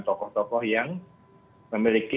tokoh tokoh yang memiliki